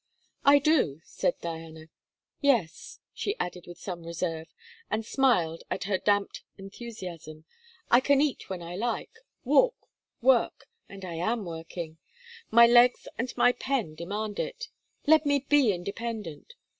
'I do,' said Diana; 'yes,' she added with some reserve, and smiled at her damped enthusiasm, 'I can eat when I like, walk, work and I am working! My legs and my pen demand it. Let me be independent!